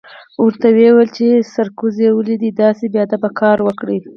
ورته ویې ویل چې سرکوزیه ولې دې داسې بې ادبه کار وکړ؟